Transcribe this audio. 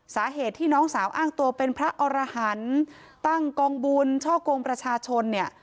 สาเหตุที่น้องสาวอ้างตัวเป็นพระอรหันต์ตั้งกองบุญช่อกงประชาชนเนี่ย